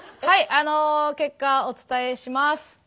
あの結果お伝えします。